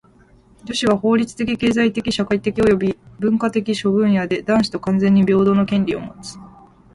女子は法律的・経済的・社会的および文化的諸分野で男子と完全に平等の権利をもつ。